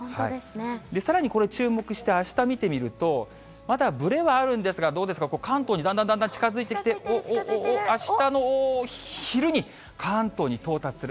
さらにこれ、注目して、あした見てみると、まだぶれはあるんですが、どうですか、関東にだんだんだんだん近づいてきて、あしたの昼に、関東に到達する。